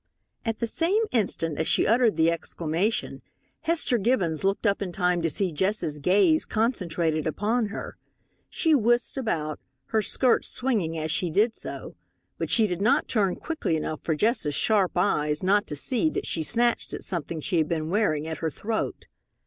At the same instant as she uttered the exclamation, Hester Gibbons looked up in time to see Jess's gaze concentrated upon her. She whisked about, her skirts swinging as she did so. But she did not turn quickly enough for Jess's sharp eyes not to see that she snatched at something she had been wearing at her throat.